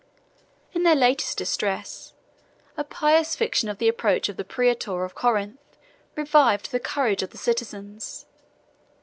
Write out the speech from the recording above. In their last distress, a pious fiction of the approach of the praetor of Corinth revived the courage of the citizens.